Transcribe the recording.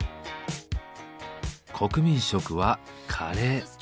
国民食はカレー。